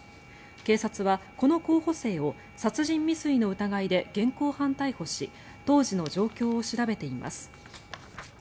警察はこの候補生を殺人未遂の疑いで現行犯逮捕し当時の状況を調べています。